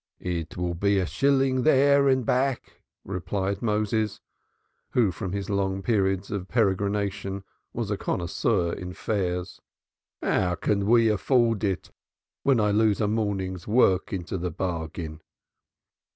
"It will be a shilling each there and back," replied Moses, who from his long periods of peregrination was a connoisseur in fares. "How can we afford it when I lose a morning's work into the bargain?"